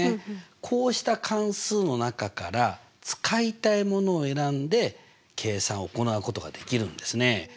こうした関数の中から使いたいものを選んで計算を行うことができるんですね。